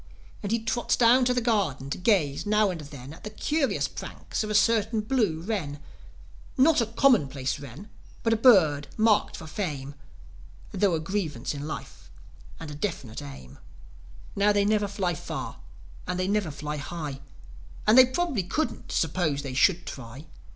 And he trots down the garden to gaze now and then At the curious pranks of a certain blue wren: Not a commonplace wren, but a bird marked for fame Thro' a grievance in life and a definite aim. Now, they never fly far and they never fly high, And they probably couldn't, suppose they should try.